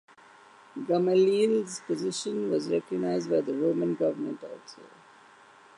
Gamaliel's position was recognized by the Roman government also.